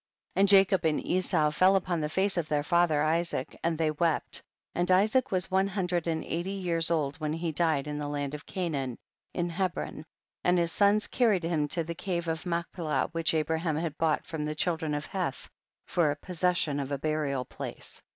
10. And Jacob and Esau fell upon the face of their father Isaac, and they wept, and Isaac was one hun dred and eighty years old when he THE BOOK OP JASHER. 147 died in the land of Canaan, in He bron, and his sons carried him to the cave of Machpelah, which Abraham had bought from the children of Heth for a possession of a burial place.